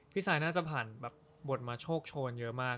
ซายน่าจะผ่านแบบบทมาโชคโชนเยอะมาก